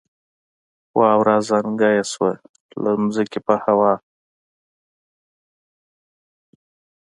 واوره ازانګه یې شوه له ځمکې په هوا